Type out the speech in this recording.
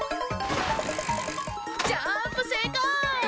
ジャンプせいこう！